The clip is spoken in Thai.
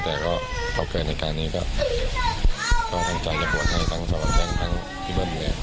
แต่ก็เขาเกิดในการนี้ก็ต้องตั้งใจจะบวชให้ทั้งสวรรค์แบงค์ทั้งพี่เบิ้มเลย